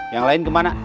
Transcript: yang lain kemana